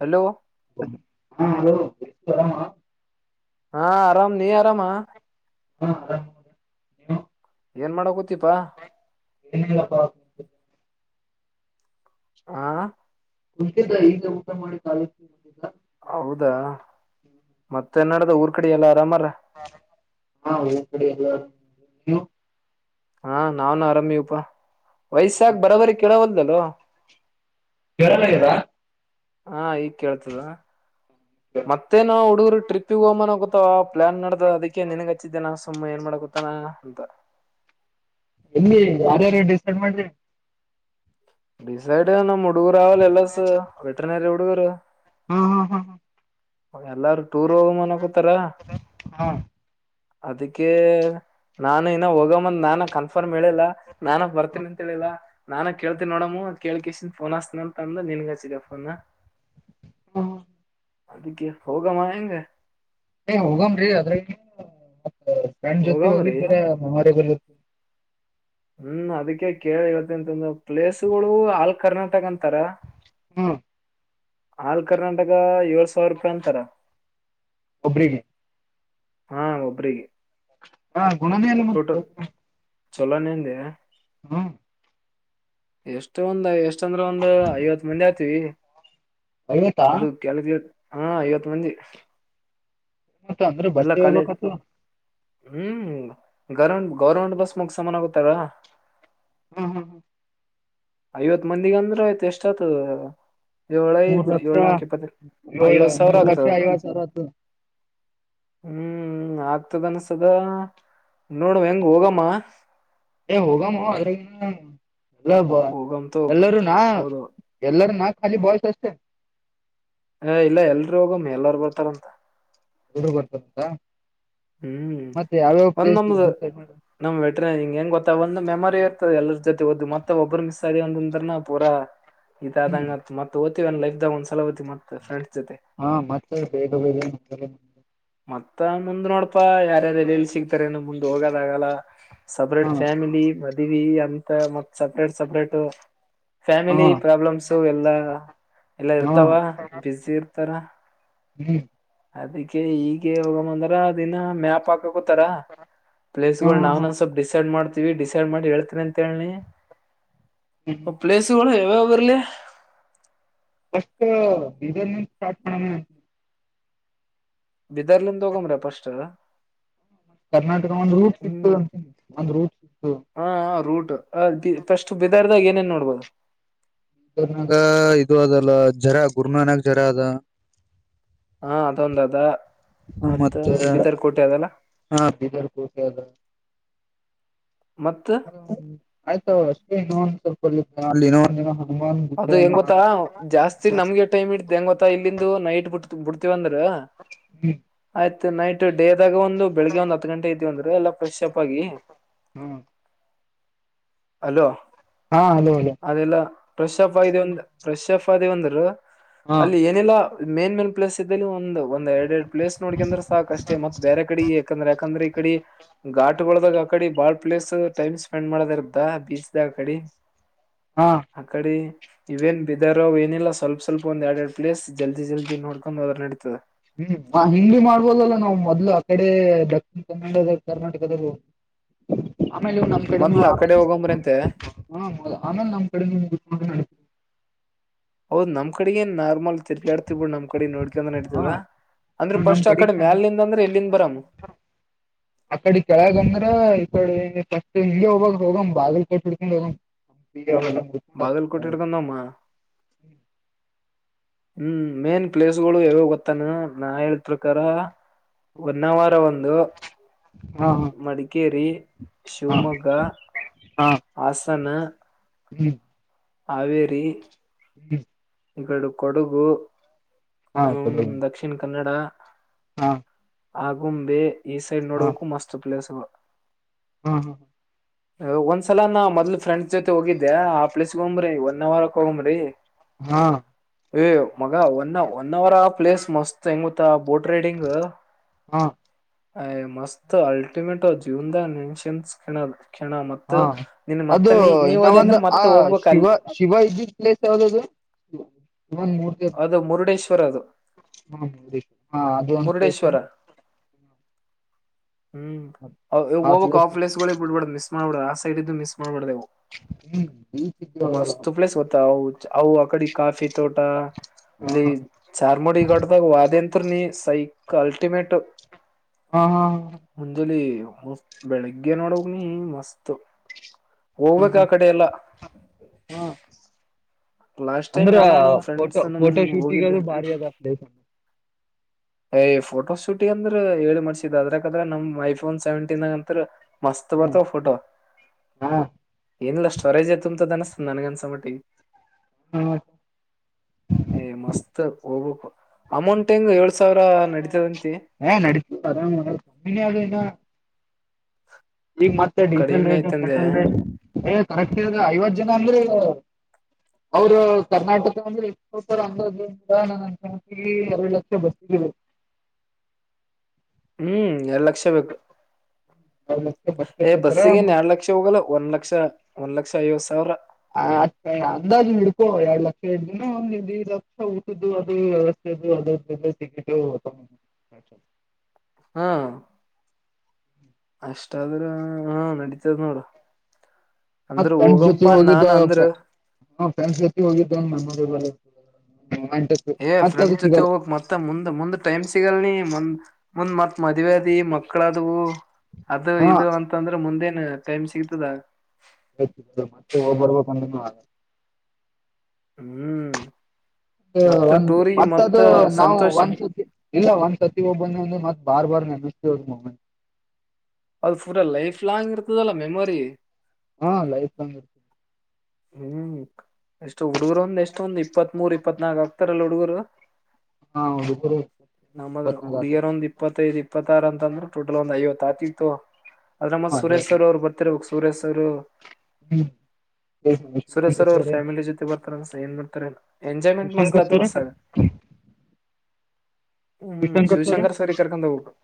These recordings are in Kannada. ಹಲೋ ಹಾ ಹಲೋ ಆರಾಮ ಹಾ ಆರಾಮ್ ನೀ ಆರಾಮ ಹಾ ಆರಾಮ್ ನೀವು ಏನ್ ಮಾಡ ಕುತ್ತೀಪಾ ಎನಿಲ್ಲ ಪ ಹಾ ಕುಂತಿದ್ದೆ ಈಗ ಊಟ ಮಾಡಿ ಕಾಲ ಹೌದಾ ಮತ್ತೆ ನಡದ್ ಊರ್ ಕಡೆ ಎಲ್ಲ ಆರಾಮಾರ ಹಾ ಊರ್ ಕಡೆ ಯಲ್ಲರ್ ನೀವು ಹಾ ನಾವ್ನ್ ಆರಾಮವಿಪಾ ವಯಸಕ್ ಬರೋಬರಿ ಕೇಳವಲ್ದ ವಲ್ಲೋ [unintelligible] ಹಾ ಈಗ್ ಕೇಳ್ತದ ಮತ್ತೇ ನಾ ಹುಡುಗರು ಟ್ರಿಪ್ಗೆ ಹೋಮ್ಮನ ಗೊತ್ತ ಪ್ಲಾನ್ ನಡ್ದ ಅದಕ್ಕೆ ನಿನಗ್ ಹಚ್ಚಿದ್ದೇನಾ ಸುಮ್ಮ ಏನ್ ಮಾಡಕೊತ್ತಾನ ಅಂತ ಎಲ್ಲಿ ಯಾರ್ಯಾರು ಡಿಸೈಡ್ ಮಾಡ್ರಿ ಡಿಸೈಡ್ ನಮ್ ಹುಡಗುರು ಆವಲ್ಲ ಎಲ್. ಎಸ್ ವೆಟನರಿ ಹುಡುಗರು ಹ್ಮ್ ಹ್ಮ್ ಹ್ಮ್ ಹ್ಮ್ ಎಲ್ಲಾರು ಟೂರ್ ಹೋಗ ಮನ್ ಕೂತಾರ ಹಾ ಹಾ ಅದಕ್ಕೆ ನಾನು ಇನ್ನ ಹೋಗಂದ ನಾನ ಕನ್ಫರ್ಮ್ ಮ್ ಹೇಳಿಲ್ಲ ನಾನ ಬರ್ತೀನಿ ಅಂತ ಹೇಳಿಲ್ಲ ನಾನ ಕೇಳ್ತೀನ ನೋಡಮು ಕೇಳ್ಕ್ ಇಷ್ಟನ್ ಫೋನ್ ಹಸ್ತನ ಅಂತ ಅಂದ ನಿನ್ಗ ಹಚ್ಚಿದೆ ಫೋನ್ ಹಾ ಅದಿಕ್ಕೆ ಹೋಗಮ್ಮ ಹೆಂಗ ಏ ಹೋಗಮ್ರಿ ಅದ್ರಗ್ ಫ್ರೆಂಡ್ ಜೊತೆ ಹೋಗಮ್ರಿ ಹೋಗಿದ್ದರ ಮೆಮೊರಿ [unintelligible] ಹ್ಮ್ ಅದಿಕ್ಕೆ ಕೇಳಿ ಇವತ್ತ ಅಂತಂದ ಪ್ಲೇಸುಗಳು ಆಲ್ ಕರ್ನಾಟಕ ಅಂತಾರ ಹ್ಮ್ ಆಲ್ ಕರ್ನಾಟಕ ಏಳ್ ಸಾವಿರ ರೂಪಾಯಿ ಅಂತಾರ ಒಬ್ರಿಗೆ ಹಾ ಒಬ್ರಿಗೆ ಹಾ ಗುಣನೇ ಇಲ್ಲ [unintelligible] ಚಲೋನೆಂದೇ ಹ್ಮ್ ಎಷ್ಟು ಒಂದ್ ಎಷ್ಟ ಅಂದ್ರ ಒಂದ್ ಐವತ್ ಮಂದಿ ಆಗ್ತಿವಿ ಐವತ್ತಾ ಅದು [unintelligible] ಹಾ ಐವತ್ತು ಮಂದಿ ಮತ್ತ ಅಂದ್ರೆ ಬಸ್ಸ ಎಲ್ಲಾ ಕಾಲೇಜ್ ಹೇಳ್ಬೇಕತು ಹ್ಮ್ ಗೌರ್ಮೆಂಟ್ ಗೌರ್ಮೆಂಟ್ ಬಸ್ ಮುಗ್ ಸಮಾನ ಆಗತಾರ ಹ್ಮ್ ಹ್ಮ್ ಹ್ಮ್ ಐವತ್ ಮಂದಿಗೆ ಅಂದ್ರೆ ಆಯ್ತ ಎಷ್ಟತದು ಏಳ್ ಮೂರ್ ಐದ ಏಳ್ ಲಕ್ಷ ನಾಲ್ಕು ಇಪ್ಪತ್ತನಾಕ ಏಳ ಐವತ್ತು ಸಾವಿರ ಮೂರ್ ಲಕ್ಷ ಆಗ್ತದ ಐವತ್ ಸಾವಿರ ಆತು ಹ್ಮ್ ಹ್ಮ್ ಆಗ್ತದ ಅನ್ಸದ ನೋಡಮ ಹೆಂಗ ಹೋಗಮ್ಮ ಏ ಹೋಗಮೋ ಅದರಾಗ ಏನ ಅದ ಎಲ್ಲ ಬ ಹೋಗಮ್ ತೋ ಎಲ್ಲರೂ ನಾ ಹೌದು ಎಲ್ಲರೂ ನಾ ಖಾಲಿ ಬಾಯ್ಸ್ ಅಷ್ಟೇ ಹ ಇಲ್ಲ ಎಲ್ರು ಹೋಗಮ್ಮ ಎಲ್ಲಾರೂ ಬರ್ತಾರಂತ ಎಲ್ರೂ ಬರ್ತರಂತ ಹ್ಮ್ ಮತ್ತೆ ಯಾವ್ಯಾವ ಪ್ಲೇಸ ಡಿಸೈಡ ಹಿಂಗ ಹೆಂಗ ಗೊತ್ತ ಒಂದ ಮೆಮೊರಿ ಇರ್ತದ ಎಲ್ಲರ ಜೊತೆ ಹೋದ ಮತ್ತೆ ಒಬ್ರು ಮಿಸ್ ಆದಿವಿ ಒಂತಂದ್ರನ ಪೂರಾ ಹ್ಮ್ ಇದಾದಂಗತ್ತ ಮತ್ತ ಹೋತಿವನ ಲೈಫದಾಗ ಒಂದ ಸಲ ಹೋತ್ತಿವಿ ಮತ್ತ ಫ್ರೇಂಡ್ಸ ಹಾ ಮತ್ತೆ ಬೇಗ ಬೇಗ ಮತ್ತ ಮುಂದ್ ನೋಡ್ ಪ್ಪಾ ಯಾರ ಯಾರ ಎಲ್ಲೆಲ್ಲ ಸಿಗ್ತಾರೆ ಏನ ಮುಂದೆ ಹೋಗೋದಾಗಲ್ಲ ಸಪ್ರೇಟ್ ಹಾ ಫ್ಯಾಮಿಲಿ ಮದ್ವಿ ಅಂತ ಮತ್ ಸಪ್ರೇಟ್ ಸಪ್ರೇಟ್ ಹಾ ಫ್ಯಾಮಿಲಿ ಪ್ರಾಬ್ಲಮ್ಸು ಎಲ್ಲಾ ಎಲ್ಲಾ ಹಾ ಇರ್ತಾವ ಬೀಜಿ ಇರ್ತಾರ ಹ್ಮ್ ಅದಿಕ್ಕೆ ಈಗೆ ಹೋಗಮ್ಮ ಅಂದ್ರ ಅದಿನ ಮ್ಯಾಪಕ್ ಹಾ ಪ್ಲೇಸ್ಗಳು ನಾವ್ ಸ್ವಲ್ ಡಿಸೈಡ್ ಮಾಡ್ ಡಿಸೈಡ್ ಮಾಡಿ ಹೇಳ್ತೀನಿ ಅಂತೇಳಿನಿ ಹ್ಮ್ ಅವು ಪ್ಲೇಸಗಳು ಹೋಗಿಬರಲ್ಲಿ ಫಸ್ಟ್ ಡಿಸೈನಿಂದ ಸಾರ್ಟ್ ಮಾಡಮ್ಮೆನಂತಿನಿ ಬೀದರಲಿಂದ ಹೋಗಮ್ರೆ ಪಸ್ಟ್ ಕರ್ನಾಟಕ ಒಂದ್ ರೂಟ್ ಸಿಗ್ತ ಹ್ಮ್ ಅಂತನಿ ಒಂದ್ ರೂಟ್ ಸಿಗ್ತು ಹ ರೂಟ್ ಫಸ್ಟ್ ಬಿದಾರದಾಗ ಏನೇನ್ ನೋಡ್ಬೋದು ಇದು ಅದಲ್ಲ ಜರಾ ಗುರುನಾನಾಕ ಜರಾ ಅದ ಹಾ ಅದೊಂದ ಅದ ಹ ಮತ್ತ ಮತ್ತೆ ಬಿದರ್ ಕೋಟೆ ಅದಲ್ಲ ಹಾ ಬೀದರ್ ಕೋಟೆ ಅದ ಮತ್ ಹ ಆಯ್ತಷ್ಟೇವಲ್ಪ [unintelligible] ಅದು ಹೆಂಗ ಗೊತ್ತಾ ಜಾಸ್ತಿ ನಮ್ಗೆ ಟೈಮ್ ಇಡ್ತ ಹೆಂಗ ಗೊತ್ತಾ ಇಲ್ಲಿಂದು ನೈಟ್ ಬಿಟ್ಟ ಬಿಡ್ತೀವಂದ್ರ ಹ್ಮ್ ಆಯ್ತು ನೈಟ್ ಡೇದಾಗ ಒಂದು ಬೆಳಿಗ್ಗೆ ಒಂದ್ ಹತ್ತು ಗಂಟೆ ಇದವಿ ಅಂದ್ರೆ ಎಲ್ಲಾ ಫ್ರೆಶ್ ಅಪ್ ಆಗಿ ಹ್ಮ್ ಅಲೋ ಹಾ ಅಲೋ ಅಲೋ ಪ್ರಶ್ಯಪ್ ಆಗ ಒಂದ ಪ್ರಶ್ಯಪ್ ಆದವಿ ಅಂದ್ರ ಹಾ ಅಲ್ಲಿ ಏನಿಲ್ಲ ಮೇನ್ ಮೇನ ಪ್ಲೇಸಿದಲಿ ಒಂದ ಎರ ಎರಡ್ ಪ್ಲೇಸ ನೋಡಕೆಂದ್ರ ಸಾಕ ಅಷ್ಟೇ ಮತ್ತ ಬೇರೆ ಕಡೆ ಯಾಕಂದ್ರೆ ಯಾಕಂದ್ರೆ ಆ ಕಡೆ ಘಾಟ್ಗಳೋದಾಗ ಆಕಡೆ ಬಾಳ್ ಪ್ಲೇಸ್ ಟೈಮ್ ಸ್ಪೆಂಡ್ ಮಾಡದ ಇರ್ತದ ಬೀಚ್ದಾಗ ಆ ಕಡಿ ಹಾ ಆ ಕಡೆ ಇವೇನ್ ಬೀದರವು ಏನಿಲ್ಲ ಸ್ವಲ್ಪ ಸ್ವಲ್ಪ ಒಂದ ಎರಡ್ ಎರಡು ಪ್ಲೇಸ್ ಜಲ್ದಿ ಜಲ್ದಿ ನೋಡ್ಕೊಂಡು ಹೋದ್ರ ನಡಿತದ ಹ್ಮ್ ಹಿಂಗಿ ಬಿ ಮಾಡ್ಬೋದಲ್ಲಾ ನಾವ್ ಮೊದ್ಲು ಆ ಕಡೆ ದಕ್ಷಿಣ ಕನ್ನಡ ಕರ್ನಾಟಕದಲ್ಲಿ ಆಮೇಲೆ ಇವ ನಮ್ಮ್ ಕಡೆನು ಮೊದ್ಲ ಆ ಕಡೆ ಹೋಗಂಬ್ರಂತೆ ಆಮೇಲೆ ನಮ್ಮ್ ಕಡೆ ಮುಗಸಕೂಂಡರ ನಡಿತ ಹೌದ್ ನಮ್ ಕಡಿಗೆನ ನಾರ್ಮಲ್ ತಿರ್ಗಾಡ್ತ್ ಬಿಡ್ ನಮ್ ಕಡೆ ನೋಡ್ಕೊಂಡಂದ್ರ ಹ ನಡತದ ಅಂದ್ರ ನಮ್ ಫಸ್ಟ್ ಆ ಕಡೆಗ್ ಕಡೆ ಚಂದ ಮ್ಯಾಲ ನಿಂದ ಅಂದ್ರ ಎಲ್ಲಿಂದ ಬರಾಮ ಅಕಡಿ ಕೆಳಗಂದ್ರ ಬ ಫಸ್ಟ್ ಹಿಂಗೆ ಹೋಗಮ್ಮ ಹೋಗ್ಮ್ ಬಾಗಿಲ್ ಕೂಟ್ಟಿ ಹಿಡ್ಕೊಂಡ ಹೋಗಮ್ಮ ಬಾಗಲ್ ಕೂಟ್ಟ ಹಿಡಕೂಂದ ಒಮ್ಮ ಹ್ಮ್ ಮೇನ್ ಪ್ಲೇಸ್ಗಳು ಯಾವ ಗೊತ್ತಾನ ನಾ ಹೇಳಿದ ಪ್ರಕಾರ ಹೂನ್ನಾವರ ಒಂದು ಹಾ ಹಾ ಮಡಿಕೇರಿ ಹಾ ಶಿವಮೊಗ್ಗ ಹಾ ಹಾ ಹಾಸನ ಹ್ಮ್ ಹಾವೇರಿ ಹ್ಮ ಇವೆರಡು ಕೊಡಗು ಹಾ ಹ್ಮ ಕೊಡ ದಕ್ಷಿಣ ಕನ್ನಡ ಹಾ ಆಗುಂಬೆ ಈ ಸೈಡ್ ನೋಡೋಕು ಮಸ್ತ್ ಪ್ಲೇಸ್ ಹ್ಮ್ ಹ್ಮ್ ಹ್ಮ ಒಂದ್ಸಲ ನಾ ಮೊದ್ಲ್ ಫ್ರೆಂಡ್ಸ್ ಜೊತೆ ಹೋಗಿದ್ದೆ ಆ ಪ್ಲೇಸ್ಗೆ ಹೋಗಮ್ರಿ ಒನ್ ಅವರ್ಕ್ ಹೋಗಮ್ರಿ ಹಾ ಏ ಮಗ ಅ ನಾವ್ ಒನ್ ಅವರ್ ಆ ಪ್ಲೇಸ್ ಮಸ್ತ್ ಹೆಂಗುತ್ತ ಬೋಟ್ ರೈಡಿಂಗ್ ಹಾ ಅ ಮಸ್ತ್ ಅಲ್ಟಿಮೆಟೋ ಜೀವನ್ದ ಇನ್ನ್ಸ್ ಕಣಲ್ ಕಣ ಮ ಹಾ ನಿನ್ ಮತ್ತೆ ನೀ ನೀವ ಹದಿ ಅಂದ್ರೆ ಮತ್ತೆ ಹ ಹೋಗ್ಬೇಕ ಶಿವ ಅಲ್ಲಿ ಶಿವ ಇಜತ್ ಪ್ಲೆಸ್ ಯದದು ಅದು ಮುರುಡೇಶ್ವರ ಅದು ಹ್ಮ ಹಾ ಅದು ಒಂದು ಪ್ಲೇಸ್ ಮುರುಡೇಶ್ವರ ಹ್ಮ್ ಹೋಗಬಕ್ ಆ ಪ್ಲೇಸ್ ಗಳಗ್ ಬಿಡ್ಬೇಡ ಮಿಸ್ ಮಾಡ್ಬೇಡ ಆ ಸೈಡ್್ದು ಮಿಸ್ ಮಾಡ್ಬಾರಡ್ದೇವು ಹ್ಮ್ ಬೀಚ್ ಇದ್ವಲ್ಲ ಮಸ್ತ ಪ್ಲೇಸ್ ಹೊತ ಹ ಅವ ಅ ಕಡಿ ಕಾಫಿ ತೋಟಾ ಹಾ ಅಲ್ಲಿ ಹಾ ಚಾರ್ಮುಡಿ ಗಡ್ದಾಗ ವಾದ್ಯಂತ್ ನೀ ಸೈಕ್ ಅಲ್ಟಿಮೇಟ್ ಹಾ ಮುಂಜಲಿಿ ಬೆಳಿಗ್ಗೆ ನೋಡೋಗ ನೀ ಮಸ್ತ್ ಹ್ಮ್ ಹೋಗ್ಬೇಕ್ ಆ ಹ್ಮ್ ಕಡೆ ಎಲ್ಲ ಹ್ಮ ಲಾಸ್ಟ್ ಟೈಮ್ ಅಂದ್ರ ನಾನ ನಮ್ ಫೋಟೋ ಫ್ರೆಂಡ್ಸ್ ನಮ್ ಫೋಟೋ ಹೋಗಿದ್ದೆ ಶೂಟಗದು್ರೂ ಬಾರಿ ಅದ ಪ್ಲೇಸ್ ಅ ಯ್ ಫೋಟೋ ಶೂಟಿ ಅಂದ್ರ ಹೇಳಿ ಮಾಡ್ಸಿದ ಅದ್ರಕದ್ರ ನಮ್ ಐಫೋನ್ ಸೆವೆಂಟೀನ್ಗಂತ್ರ ಮಸ್ತ್ ಹಾ ಬರ್ತಾವ ಫೋಟೋ ಏನಿಲ್ಲ ಸ್ಟೋರೇಜ್ ತುಮ ಅನಸ್ ನನಗನ್ಸಮ್ಮಟ್ಟಿ ಹಾ ಏ ಮಸ್ತ್ ಓಬ ಎಮಂಟ ನಡತ ಕಮ್ಮನಿ ಆಗನ್ನ ಈಗ ಮತ್ತೆ ಡೀಸೆಲ್ ಕಡಿಮೆ ರೇಟ್ ಐತಂದೆ ಪೆಟ್ರೋಲ್ ರೇಟ್ ಏ ಕರೆಕ್ಟ್ ಐವತ್ತು ಜನ ಅಂದ್ರೆ ಅವರು ಕರ್ನಾಟಕಂದ್ರೆ ಎ ಅಾಜ ನ ಅಂಕ ಎರಡು ಲಕ್ಷ ಬರ್ಿದ್ದ ಹ್ಮ್ ಎಲ್ಲ ಲಕ್ಷ ಬೇಕು ಎರಡು ಲಕ್ಷ ಬಸ್ಗೆ ಏ ಕೊಡ್ತಾರ ಬಸ್ಸಿಗೆನ್ ಎರಡು ಲಕ್ಷ ಹೋಗಲ್ಲ ಒಂದು ಲಕ್ಷ ಒಂದ ಲಕ್ಷ ಐದು ಸಾವಿರ ಹ ಅ ಅಂದಾಜು ಹಡ್ಕೋ ಎರಡ್ ಲಕ್ಷ ಎರಡು ದಿನ ಒಂದಡ್ ಲಕ್ಷ ಊಟದ್ದು ಅದು ಅ ಸಿ ಹಾ ಅಷ್ಟಾದ್ರೆ ಹಾ ನಡತದ ನೋಡ ಮತ್ತ ಪೆಂಟ್ ಜೊತೆ ಹೋಗಿದ್ದ ಪೆಂಟ್ ಜೊತೆ ಹೋಗಿದ್ದ ಹ ಏ ಫ್ರೆಂಡ್ಸ್ ಜೊತೆ ಹೋಗಕ್ ಮತ್ತ ಮುಂದ್ ಮುಂದ್ ಟೈಮ್ ಸಿಗಲ್ಂದ್ ಮುಂದ್ ಮತ್ ಮದ್ೆದಿ ಮಕ್ಕಳಾದವುೂ ಅದು ಹಾ ಇದು ಅಂತಂದ್ರೆ ಮುಂದೇನು ಟೈಮ್ ಸಿಗ್ತದ ಮತ್ತೆ ಹೋಗ್ಬರ್ಬೇಕ ಒಂದ ಹ್ಮ್ ಮತ್ತ ಒಂದ್ ಟೂರಿ ಮತ್ತ ಅದು ನಾವು ಸಂತೋಷ್ ಒಂದ್ಸತಿ ಇಲ್ಲ ಒಂದ್ ಸರ್ತಿ ಒಬ್ಬಂದ ಒಂದು ಮತ್ ಬಾರ್ ಬಾರ್ ಮ ಅದು ಪೂರ ಲೈಫ್ ಲಾಂಗ್ ಇರ್ತದಲ್ಲ ಮೆಮೊರಿ ಹಾ ಲೈರ್ತಿ ಹ್ಮ್ ಎಷ್ಟು ಹುಡುಗರು ಒಂದ್ ಎಷ್ಟೊಂದ್ ಇಪ್ಪತ್ ಮೂರ್ ಇಪ್ಪತ್ ನಾಲ್ಕ ಆಗ್ತಾರಲ್ಲ ಹುಡುಗರು ಹಾ ಹಡರಿ ನಮ್ಮದ್ರ ಹುಡುಗಿಯರ ಒಂದ್ ಇಪ್ಪತ್ತೈ್ ಇಪ್ಪತ್ತಾರು ಅಂತಂದ್ರೆ ಟೋಟಲ್ ಒಂದ್ ಐವತ್ತು ಆತಿ ಇತ್ತು ಅದ್ರಮ್ಮತ್ ಹ ಸುರೇಶ್ ಅವರ್ ಅವ್ರು ಬರ್ತಿರ್ ಸುರೇಶ್ ಅವರು ಹ್ಮ್ಮ್. ಸುರೇಶ್ ಸರ್ ಅವ್ರ ಫ್ಯಾಮಿಲಿ ಜೊತೆ ಬರ್ತಾರಸ ಏನ್ ಮಾಡ್ತಾರೆಲ್ಲ. ಎಂಜಾಯಮೆಂಟ್ ಮಸ್ತ ವಿಶ್ವಶಂಕರ್ ಆತ್ ಸರ್ ಬಸ. ವಿಶಂಕರ್ ಸರ ಕರ್ಕೊಂಡ್ ಹೋಗ್ಬೇಕು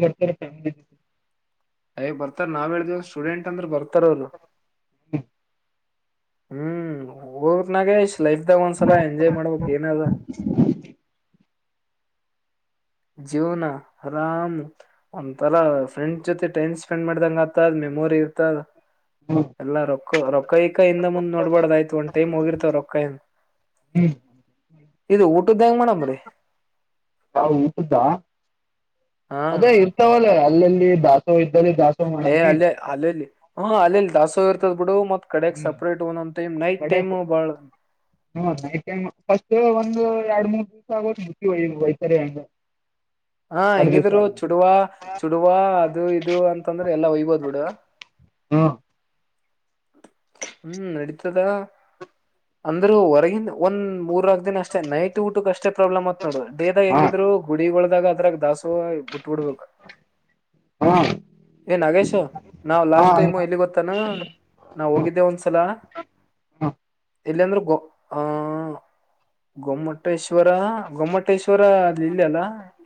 ಬರ್ತಾರೆ್ಯಾಮ. ಅಯ ಬರ್ತಾರ ನಾವ್ ಹೇಳ್ದೇವ ಸ್ಟೂಡೆಂಟ್ ಅಂದ್ರ ಬರ್ತಾರ ಅವರು. ಹ್ಮ. ಹ್ಮ್ ನಾಗೇಶ. ಲೈಫ್ ದ ಒಂದ್ಸಲ ಎಂಜಾಯ್ ಮಾಡ್ಬೇಕಕ್ ಏನ ಅದ. ಜೀವನಾ ಆರಾಮ್ ಒ್ಥರಾ ಫ್ರೆಂಡ್ಸ್ ಜೊತೆ ಟೈಮ್ ಸ್ಪೆಂಡ್ ಮಾಡ್ದಂಗ ಆತ ಆದ್ಮೇ. ರಿ ಇರ್ತ ಹ್ಮ ಎಲ್ಲ ರೊಕ್ಕ ರೊ. ಕೈ ಕೈಯಿಂದ ಮುಂದ್ ನೋಡ್ಬಾರ್ದಯ್ತು ಒಂದ ಟೈಮ್ ಹೋಗಿರ್ತವ ರೊಕ್ಕಾಯನ್. ಹ್ಮ್ ಇದು ಊಟದ್ದ ಹೆಂಗ ಮಾಡೇಡಮ್ರೀ. ನಾವು ಅದೇ ಇರ್ತಾವಲ್ಲ ಅಲ್ಲೆಲ್ಲಿ ದಾಸವ. ಏ್ ಅಲ್ಲೇ ಅಲ್ಲಲ್ಲಿ ಹ ಅಲ್ಲೆಲ್ಲಿ ದಾಸೋ ಇರ್ತದ್ ಬಿಡು ಮ. ಹ್ಮ್ [unintelligible] ಬಾಳ ಹಂಗ್ ಎರಡ್ ಮೂರ್ ದಿವ್ಸ ಆಗೋ ಮುಟ್ಟಿಿ ಬೈ್ತರಿ ಹಂಗ. ಹಾ ಎರಡ್ ದಿವ್ಸ ಹೆಂಗಿದ್ರು ಚುಡುವ ಚುಡುವ ಅದು ಇದು ಅಂತಂದ್ರೆ ಎಲ್ಲಾ ಒಯ್ಬೋದ್ ಬಿಡು. ಹ್ಮ. ಹ್ಮ್ ನಡೀತದ ಅಂದ್ರೂ ಹೊರಗಿಂದ ಒಂದ್ ಮೂರ. ಿನ ಅಷ್ಟೇ ನೈಟ್ ಊಟಕ್ ಅಷ್ಟೇ ಪ್ರಾಬ್ಲಮ್ ಅತ್ ನೋಡ ಡೇದಾಗ್ ಹಾ ಹೆಂಗಿದ್ರು ಗುಡಿಗಳಳದಾಗ ಅದ್ರಾಗ ದಾಸು ಬಿುು. ಹ. ಹಾ ಏನ್ಾಗೇಶ ನಾವ್ ಹಾ ಲಾಸ್ಟ್ ಟೈಮ್ ಎಲ್ಲಿ ಗೊತ್ತಾನ. ನಾವ್ ಹೋಗಿದ್ದೆ ಒಂದ್ಸಲ. ಹ ಇಲ್ಲ ಅಂದ್ರೆ ಗೊ ಆ ಗೊಮ್ಮಟೇಶ್ವರ ಗೊಮ್ಮಟೇಶ್ವರ. ಇಲ್ಲ ಅಲ್ಲ.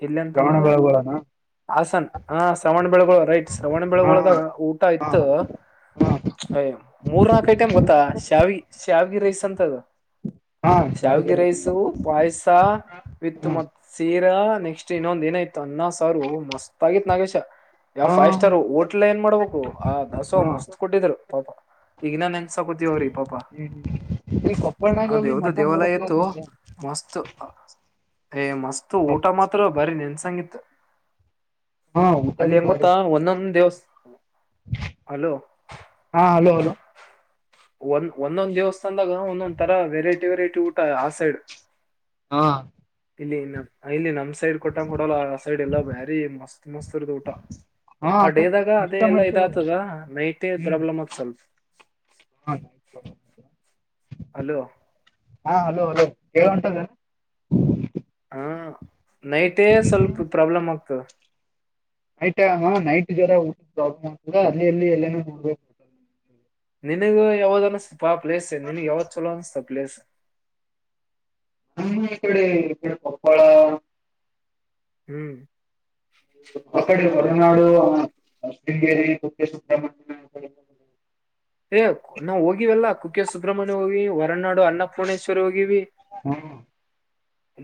ಎಲ್ಲಿ ಶ್ರಾವಣ ಅಂತಂದ್ರ ಬೆಳಗೊಳನ. ಹಾಸನ್ ಹ ಶ್ರವಣ ಬೆಳಗುಳ ರೈಟ್ ಶ್ರವಣ್ ಹಾ ಬೆಳಗಳದಾಗ ಊಟ ಹಾ ಇತ್ತು. ಹಾ ಅಯ್ಯ ಮೂರ್ ನಾಕು ಐಟಮ್ ಗೊತ್ತಾ ಶ್ಯಾವಿ ಶಾವಿಗೆಿ ರೈಸ್ ಅಂತದು. ಹಾ ಶಾವಿಗೆ ಸಾಯಗಿರಿ ರೈಸು ಪಾಯಸ ವಿತ್ ಹ್ಮ ಮತ್ ಸೀ. ನೆಕ್ಸ್ಟ್ ಇನ್ನೊಂದ್ ಏನಾಯ್ತು ಅನ್ನ ಸಾರ ಮಸ್ತ್ ಆಗಿತ್ ನಾಗೇಶ. ಯಾವ್ ಹಾ ಫೈವ್ ಸ್ಟಾರ್ ೋಟ್ಲ್ ಏನ್ ಮಾಡ್ಬೇಕು ಆ ದಾಸೋ ಹಾ ಮಸ್ತ್ ಕೊಟ್ಟಿದ್ರು ಪಾಪ ಈಗನ್ನನ್. ಸಕತವ್ರಿ ಪಾಪ ಇಲ್ಲಿ ಕೊಪ್ಪಳನಾಗ ಅೌದು ಹೋಗಿ ಹ್ದ ಮಠ ದೇವಾಲಯ ಇತ್ತು ನೋಡಪ್ಲತ್ ನನ್ಗೆ ಮಸ್ತ್. ಏ ಮಸ್ತ್ ಊಟ ಮಾತ್ರ ಬರಿ ನೆನ್ಸಂಗಿತ್ತ. ಹಾ ಊಟ ಬ. ಒಂದೊಂದ್ ದೇವಸ್ ಹಲೋ ಹಾ ಹಲೋ ಹಲೋ. ಒಂದ್ ಒಂದೊಂದ್ ದಿವ್ಸ. ಚಂದಾಗ ಒಂದೊಂದ್ ತರ ವೆರೈಟಿ ವೆರೈಟಿ ಊಟ ಆ ಸೈಡ್. ಹಾ ಇಲ್ಲಿ ಇಲ್ಲಿ ನಮ್ ಸೈಡ್ ಕೊಟ್ಟಂಗ ಕೊಡಲ್ಲ ಆ ಸೈಡ್ ಎಲ್ಲಾ ಬಾರಿ ಮಸ್ತ್ ಮಸ್ತ್ ಇರ್ದ ಊಟ. ಹಾ ಆ ಅಕ ಡೇದಾಗ ಅದೇ ಇಷ್ಟ ಎಲ್ಲ ಇದ ಮಾಡ್ತದಲ್ಲ ಆತದ ನೈಟ್ೇ ಪ್ರಾಬ್ಲಮ್ ಅತ್ ಸ್ವಲ್ಪ. ಹ ಅಲೋ ಹಾ ಹಲೋ ಹಲೋ. ಹೇಳುವ ಉಂಟದ. ಹ ನೈಟೇ ಸ್ವಲ್ಪ ಪ್ರಾಬ್ಲಮ್ ಆಗ್ತದೆ. ನೈಟ್ ಟೈಮ ನೈಟ್ ಜ್ರ ಊಟದ ಪ್ರಾಬ್ಲಮ್ ಆಗ್ತ ಅಲ್ಲಿ ಎಲ್ಲಿ ಎಲ್ಲ ನೋಡ್ಬೇಕ. ನಿನಗ ಯಾವ್ದ ಅನ್ನತಪ ಪ್ಲೇಸ್ ನಿನಗ್ ಯಾವತ್ ಚಲೋ ಅನ್ನಿಸತ ಪ್ಲೇಸ್. ಹ್ಮ ಇ ಕಡೆ ಇಡೆ ಪಪ್ಪಳ. ಹ್ಮ್. ಮ ಕಡೆ ಹೊರನಾಡು ಹ. ಶೃಂಗೇರಿ ತ ಸುುತ್ತ ಮ್ಯ. ಏ ನಾವವು ಹೋಗಿವಲ್ಲಾ ಕುಕ್ಕೆ ಸುಬ್ರಹ್ಮಣ್ಯ ಹೋಗಿವಿ ಹೊರನಾಡು ಅನ್ನಪೂರ್ಣೇಶ್ವರಿ ಹೋಗಿವಿ. [unintelligible]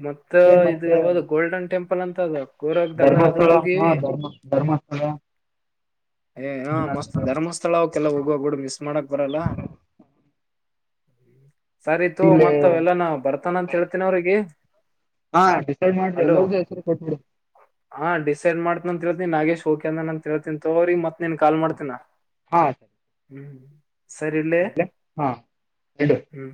ಮತ್ತ ಮ ಇದು ಯಾವ್ದ ಗೋಲ್ಡನ್ ಟೆಂಪಲ್ ಅಂತ ಅದ ಕೋರಗ್ದಾಗ ಧರ್ಮಸ್ಥಳ ಅದಕ್ ಹೋಗಿವಿ ಹ ಧರ್ಮ ಧರ್ಮಸ್ಥ ಹಾ [inaudible] ಏ ಹ ಮಸ್ತ್ ಧರ್ಮಸ್ಥಳ ಅವಕಲ್ಲ ಹೋಗುವಡ ಮ ಮಾಡಕ್ ಬರಲ್ಲ [inaudible] ಸರಿತು ಇಲ್ಲಿ ಮತ್ ಅವೆಲ್ಲ ನಾ ಬರ್ತಾನ ಅಂತ ಹೇಳ್ತೀನ ಅವ್ರಿಗೆ ಹಾ ಡಿಸೈಡ್ ಮಾಡ್ರಿ ಎಲ್ಲ ಅಲೋ ಹೋಗ ಹೆಸರಿ ಕೊಟ್ಬಿಡು ಹಾ ಡಿಸೈಡ್ ಮಾಡ್ತನ ಅ ತಿಳ್ತನಿ ನಾಗೇಶ್ ಹೋಗಕ ಅಂದ ಅಂತ ತಿಳ್ತೀ ತೋಗೋರಿ ಮತ್ ನ್ ಕಾಲ್ ಮಾಡ್ತನಾ ಹಾ ಸರಿ ಹ್ಮ್ ಸರಿ ಇಡ್ಲೆ ಹಾ ಎಡುು ಹ್ಮ್